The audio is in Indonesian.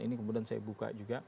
ini kemudian saya buka juga